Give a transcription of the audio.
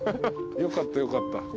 よかったよかった。